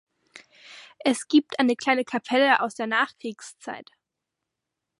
Es gibt eine kleine Kapelle aus der Nachkriegszeit.